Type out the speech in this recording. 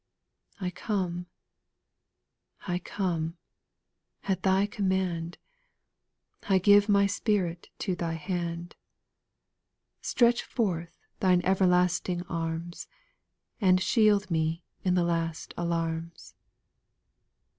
4. I come, I come, at Thy command, I give my spirit to Thy hand ; Stretch forth Thine everlasting arms, And shield me in the last alarms.